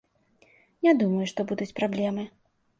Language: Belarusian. Не думаю, што будуць праблемы.